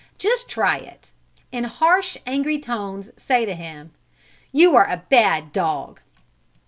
Just try it. In harsh, angry tones say to him: "You are a bad dog!"